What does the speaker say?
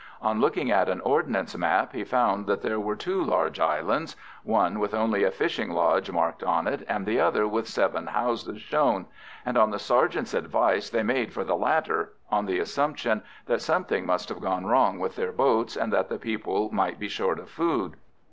On looking at an Ordnance map he found that there were two large islands—one with only a fishing lodge marked on it, and the other with seven houses shown—and on the sergeant's advice they made for the latter, on the assumption that something must have gone wrong with their boats, and that the people might be short of food.